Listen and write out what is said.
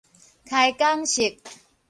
開講室